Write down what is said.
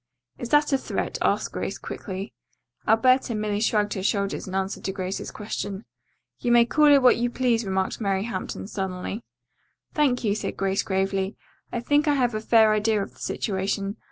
"Is that a threat?" asked Grace quickly. Alberta merely shrugged her shoulders in answer to Grace's question. "You may call it what you please," remarked Mary Hampton sullenly. "Thank you," said Grace gravely. "I think I have a fair idea of the situation.